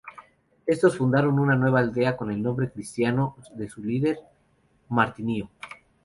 Estos fundaron una nueva aldea con el nombre cristiano de su líder: Martinho.